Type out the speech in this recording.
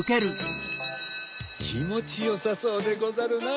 きもちよさそうでござるな。